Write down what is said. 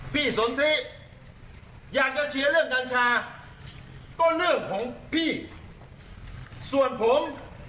สนทิอยากจะเชียร์เรื่องกัญชาก็เรื่องของพี่ส่วนผม